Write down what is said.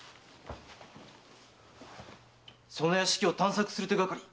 その屋敷を探索する手がかり